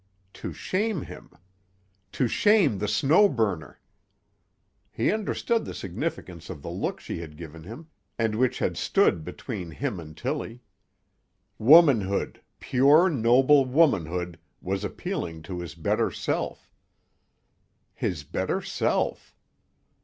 To shame him! To shame the Snow Burner! He understood the significance of the look she had given him, and which had stood between him and Tillie. Womanhood, pure, noble womanhood, was appealing to his better self. His better self!